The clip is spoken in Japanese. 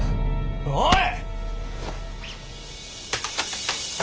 おい！